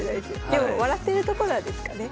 でも笑ってるとこなんですかね。